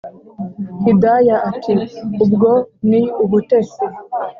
hidaya ati”ubwo ni ubutesi